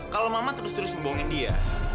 kalau mama terus terus membohongin dia